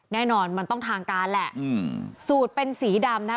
แน่นอนมันต้องทางการแหละอืมสูตรเป็นสีดำนะคะ